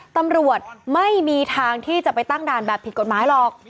ตำรวจไม่มีทางที่จะไปตั้งด่านแบบผิดกฎหมายหรอก